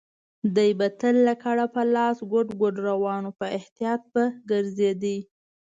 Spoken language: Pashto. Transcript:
دی به تل لکړه په لاس ګوډ ګوډ روان و، په احتیاط به ګرځېده.